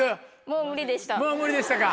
もう無理でしたか。